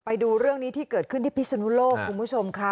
ไปดูเรื่องนี้ที่เกิดขึ้นที่พิศนุโลกคุณผู้ชมค่ะ